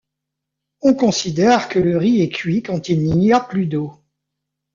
On considère que le riz est cuit quand il n'y a plus d'eau.